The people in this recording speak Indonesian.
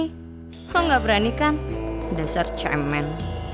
kalo ga berani kan dasar cemen